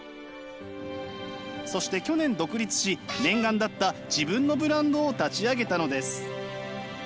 そして去年独立し念願だった自分のブランドを立ち上げたのです。